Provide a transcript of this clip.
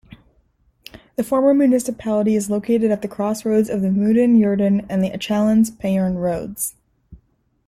The former municipality is located at the crossroads of the Moudon-Yverdon and Echallens-Payerne roads.